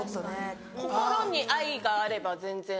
心に愛があれば全然。